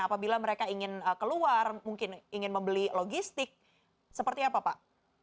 apabila mereka ingin keluar mungkin ingin membeli logistik seperti apa pak